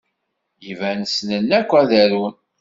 Iban ssnen akk ad arun.